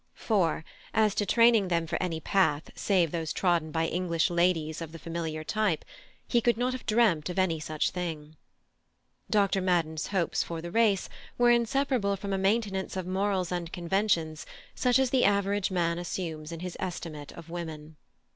For, as to training them for any path save those trodden by English ladies of the familiar type, he could not have dreamt of any such thing. Dr. Madden's hopes for the race were inseparable from a maintenance of morals and conventions such as the average man assumes in his estimate of women.